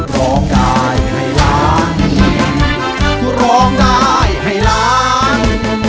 ร้องได้ให้ล้านร้องได้ให้ล้าน